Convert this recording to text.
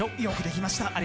よくできました。